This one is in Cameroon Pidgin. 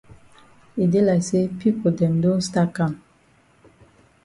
E dey like say pipo dem don stat kam.